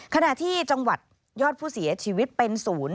ขณะที่จังหวัดยอดผู้เสียชีวิตเป็นศูนย์